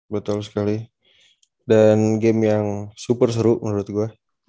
betul sekali dan game yang super seru menurut gue